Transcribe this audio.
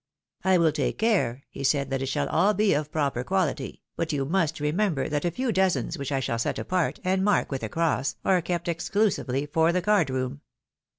" I will take care," he said, " that it shall all be of A proper quality ; but you must remember that a few dozens, which I shall set apart, and mark with a cross, are kept exclusively for the card room.